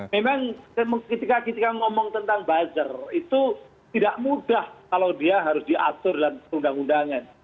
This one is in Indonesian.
memang ketika ngomong tentang buzzer itu tidak mudah kalau dia harus diatur dalam perundang undangan